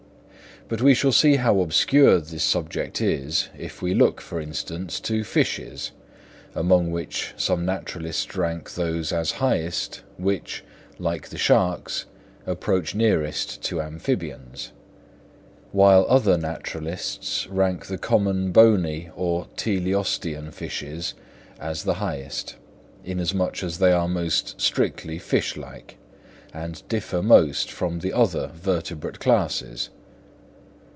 But we shall see how obscure this subject is if we look, for instance, to fishes, among which some naturalists rank those as highest which, like the sharks, approach nearest to amphibians; while other naturalists rank the common bony or teleostean fishes as the highest, inasmuch as they are most strictly fish like, and differ most from the other vertebrate classes.